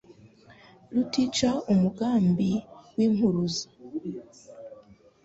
Rutica umugambi w' impuruza